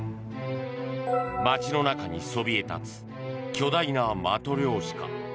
街の中にそびえ立つ巨大なマトリョーシカ。